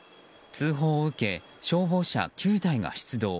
通報を受け消防車９台が出動。